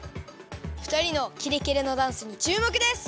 ふたりのキレキレのダンスにちゅうもくです！